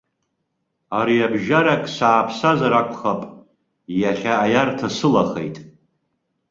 Ариабжьарак сааԥсазар акәхап, иахьа аиарҭа сылахеит.